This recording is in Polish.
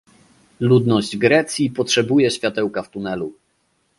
Ludność Grecji potrzebuje światełka w tunelu